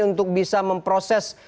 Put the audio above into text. untuk bisa memproses